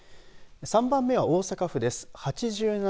３番目は大阪府です。